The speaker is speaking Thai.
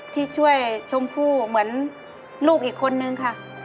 ที่ช่วยชมพู่เหมือนลูกอีกคนนึงค่ะ